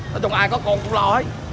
nói chung ai có con cũng lo ấy